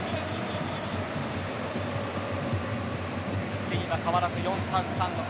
スペインは変わらず４ー３ー３の形。